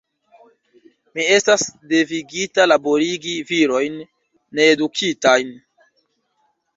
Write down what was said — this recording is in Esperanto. Mi estas devigita laborigi virojn needukitajn.